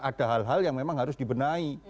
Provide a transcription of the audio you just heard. ada hal hal yang memang harus dibenahi